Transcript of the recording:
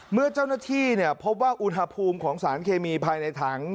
เมื่อเจ้าหน้าที่พบว่าอุณหภูมิของสารเคมีภายในถัง